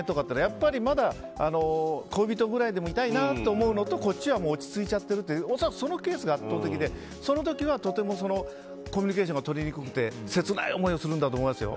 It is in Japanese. やっぱり、まだ恋人くらいでもいたいなと思うのとこっちは落ち着いちゃってるという恐らくそのケースが圧倒的でその時はとてもコミュニケーションがとりにくくて切ない思いをするんだと思うんですよ。